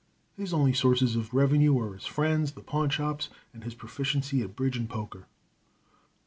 His only sources of revenue are his friends, the pawn shops, and his proficiency at bridge and poker.